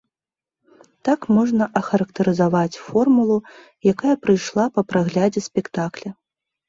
Так можна ахарактарызаваць формулу, якая прыйшла па праглядзе спектакля.